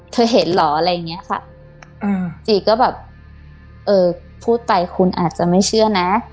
ค่ะอืมจี๊ก็แบบเออพูดไปคุณอาจจะไม่เชื่อนะ